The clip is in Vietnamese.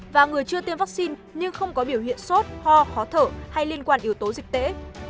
và người chưa tiêm vaccine nhưng không có biểu hiện sốt ho khó thở hay liên quan yếu tố dịch tễ